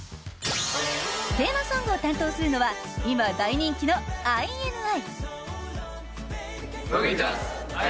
テーマソングを担当するのは今、大人気のＩＮＩ。